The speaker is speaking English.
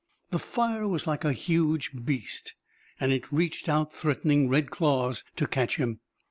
The fire was like a huge beast, and it reached out threatening red claws to catch him.